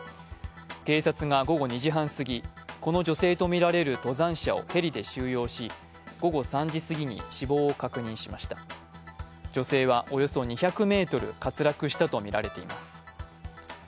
警察が午後２時半すぎこの女性とみられる登山者をヘリで収容し午後３時過ぎに死亡を確認しました女性はおよそ２００ｍ滑落したとみられています。